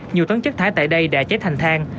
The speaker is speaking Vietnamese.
nhiều tấn chất thải tại đây đã cháy thành thang